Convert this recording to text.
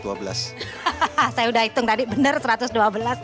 saya udah hitung tadi bener satu ratus dua belas